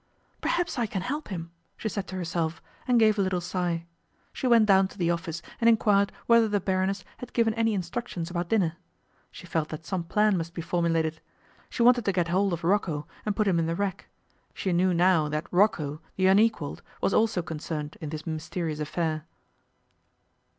'Perhaps I can help him,' she said to herself, and gave a little sigh. She went down to the office and inquired whether the Baroness had given any instructions about dinner. She felt that some plan must be formulated. She wanted to get hold of Rocco, and put him in the rack. She knew now that Rocco, the unequalled, was also concerned in this mysterious affair.